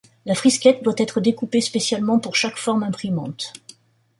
La frisquette doit être découpée spécialement pour chaque forme imprimante.